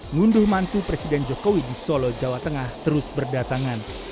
ngunduh mantu presiden jokowi di solo jawa tengah terus berdatangan